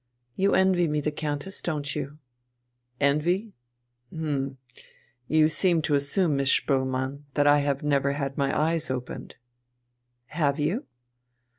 You envy me the Countess, don't you?" "Envy? H'm. You seem to assume, Miss Spoelmann, that I have never had my eyes opened." "Have you?"